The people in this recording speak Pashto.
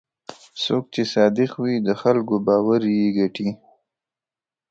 څوک چې صادق وي، د خلکو باور یې ګټي.